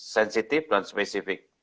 sensitif dan spesifik